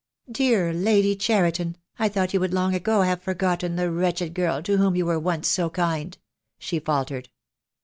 "Dear Lady Cheriton, I thought you would long ago have forgotten the wretched girl to whom you were once so kind," she faltered.